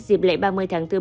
dịp lễ ba mươi tháng bốn